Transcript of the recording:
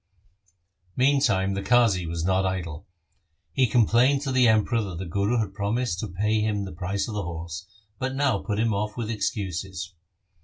2 Meantime the Qazi was not idle. He complained to the Emperor that the Guru had promised to pay him the price of the horse, but now put him off with excuses.